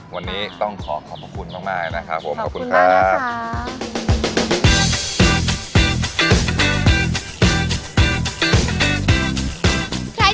วันนี้ต้องขอขอบคุณของนายนะครับผมขอบคุณค่ะขอบคุณมากนะครับ